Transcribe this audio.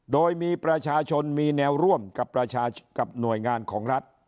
โดยมีประชาชนมีแนวร่วมกับประชาชนกับหน่วยงานของรัฐ